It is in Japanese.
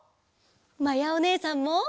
まやおねえさんも！